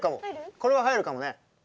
これは入るかもね。